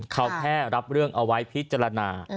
เขาแค่รับเรื่องเอาไว้พิจารณา